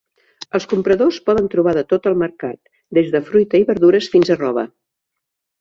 Els compradors poden trobar de tot al mercat, des de fruita i verdures fins a roba.